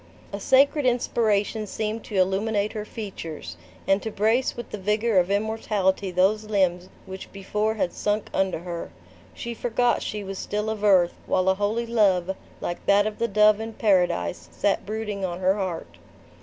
A sacred inspiration seemed to illuminate her features, and to brace with the vigor of immortality those limbs which before had sunk under her. She forgot she was still of earth, while a holy love, like that of the dove in Paradise, sat brooding on her heart.